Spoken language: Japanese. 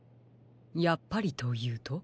やっぱりというと？